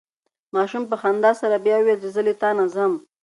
ماشوم په خندا سره بیا وویل چې زه له تا نه ځم.